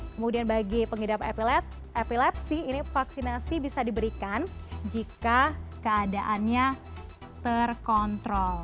kemudian bagi pengidap epilepsi ini vaksinasi bisa diberikan jika keadaannya terkontrol